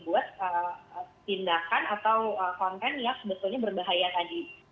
buat tindakan atau konten yang sebetulnya berbahaya tadi